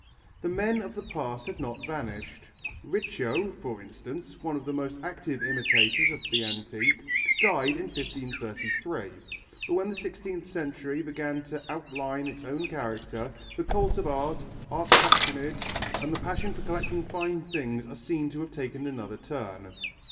The men of the past had not vanished; Riccio, for instance, one of the most active imitators of the antique, died in 1533. But when the sixteenth century began to outline its own character, the cult of art, art patronage and the passion for collecting fine things are seen to have taken another turn.